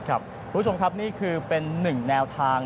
คุณผู้ชมครับนี่คือเป็นหนึ่งแนวทาง